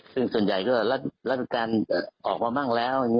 ซึ่งส่วนใหญ่ก็รัฐการออกมาบ้างแล้ว